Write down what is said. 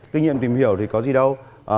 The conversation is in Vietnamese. kinh nghiệm tìm hiểu thì có gì đâu